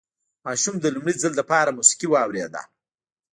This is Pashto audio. ماشوم د لومړي ځل لپاره موسيقي واورېده.